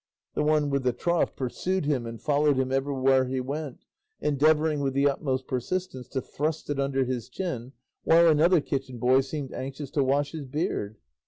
The one with the trough pursued him and followed him everywhere he went, endeavouring with the utmost persistence to thrust it under his chin, while another kitchen boy seemed anxious to wash his beard.